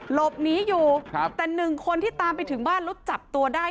หลบหนีอยู่แต่๑คนที่ตามไปถึงบ้านรถจับตัวได้